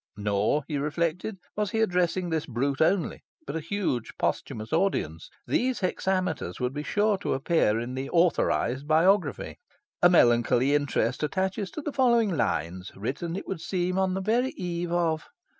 Nor, he reflected, was he addressing this brute only, but a huge posthumous audience. These hexameters would be sure to appear in the "authorised" biography. "A melancholy interest attaches to the following lines, written, it would seem, on the very eve of"...